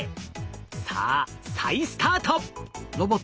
さあ再スタート。